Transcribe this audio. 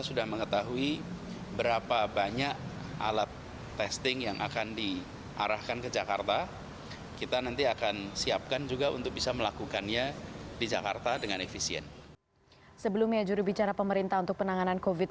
sebelumnya juru bicara pemerintah untuk penanganan covid sembilan belas